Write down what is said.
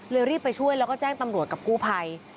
รีบไปช่วยแล้วก็แจ้งตำรวจกับกู้ภัย